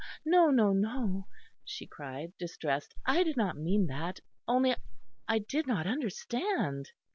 "No, no, no," she cried, distressed. "I did not mean that. Only I did not understand."